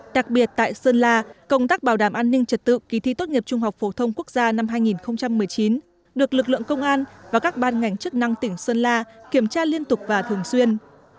đặc biệt tại sơn la công tác bảo đảm an ninh trật tự kỳ thi tốt nghiệp trung học phổ thông quốc gia năm hai nghìn một mươi chín được lực lượng công an và các ban ngành chức năng tỉnh sơn la kiểm tra liên tục và thường xuyên